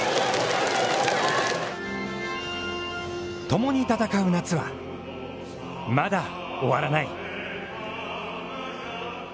共に戦う夏は、まだ終わらない。